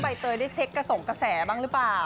ใบเตยได้เช็คกระสงกระแสบ้างหรือเปล่า